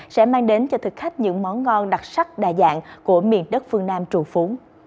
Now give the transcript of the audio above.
sẽ mang đến cho thực khách những món ngon đặc sắc đa dạng của miền đất phương nam trù phú